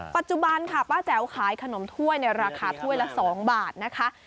ปัจจุบันค่ะป้าแจ๋วขายขนมถ้วยในราคาถ้วยละ๒บาทนะคะ